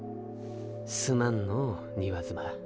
すまんのう庭妻。